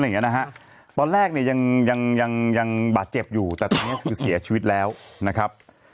ตอนแรกนี่ยังบาดเจ็บอยู่แต่ตอนนี้คือเสียชีวิตแล้วนะครับ